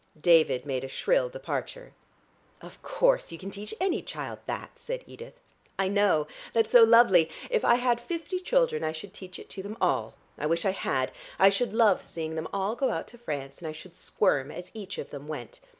David made a shrill departure. "Of course you can teach any child that!" said Edith. "I know. That's so lovely. If I had fifty children I should teach it to them all. I wish I had. I should love seeing them all go out to France, and I should squirm as each of them went.